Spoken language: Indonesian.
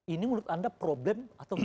ini menurut anda problem atau tidak